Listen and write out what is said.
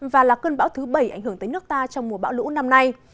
và là cơn bão thứ bảy ảnh hưởng tới nước ta trong mùa bão lũ năm nay